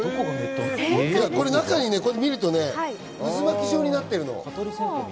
中を見るとね、渦巻き状になってるの。